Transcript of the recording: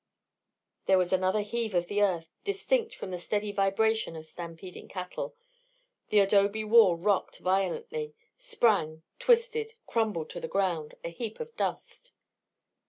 There was another heave of the earth, distinct from the steady vibration of stampeding cattle. The adobe wall rocked violently, sprang, twisted, crumbled to the ground, a heap of dust.